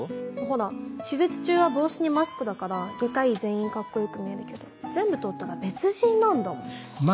ほら手術中は帽子にマスクだから外科医全員カッコ良く見えるけど全部取ったら別人なんだもん。